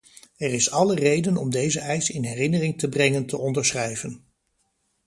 Er is alle reden om deze eis in herinnering te brengen te onderschrijven.